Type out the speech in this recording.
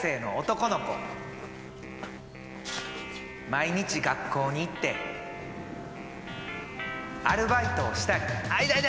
毎日学校に行ってアルバイトをしたりあ痛い痛い。